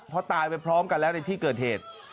เพราะตายไปพร้อมกันแล้วในที่เกิดเหตุ